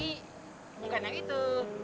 iya bukannya itu